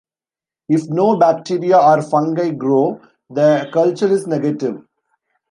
If no bacteria or fungi grow, the culture is negative.